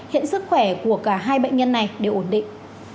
hiện sức khỏe của cả hai bệnh nhân này đều ổn định